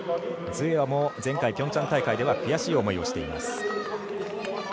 ズエワも前回ピョンチャン大会では悔しい思いをしています。